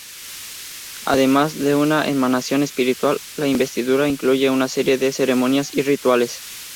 Además de una emanación espiritual, la investidura incluye una serie de ceremonias y rituales.